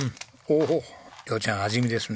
おっ亮ちゃん味見ですね。